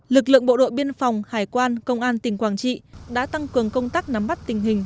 lực lượng bộ đội biên phòng hải quan công an tỉnh quảng trị đã tăng cường công tác nắm bắt tình hình